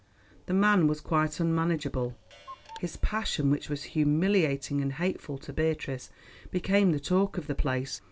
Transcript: The man was quite unmanageable; his passion, which was humiliating and hateful to Beatrice, became the talk of the place.